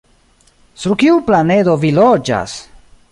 Sur kiu planedo vi loĝas?